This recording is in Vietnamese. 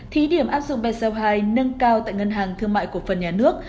thí điểm áp dụng bseo hai nâng cao tại ngân hàng thương mại cổ phần nhà nước